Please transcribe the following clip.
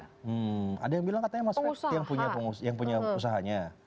hmm ada yang bilang katanya mas muf yang punya usahanya